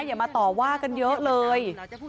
อย่ามาต่อว่ากันเยอะเลย